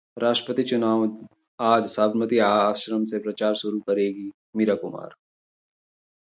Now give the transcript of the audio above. राष्ट्रपति चुनाव: आज साबरमती आश्रम से प्रचार शुरू करेंगी मीरा कुमार